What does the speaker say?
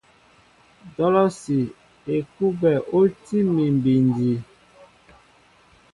Dolosi / Ekuɓɛ o tí mi bindi.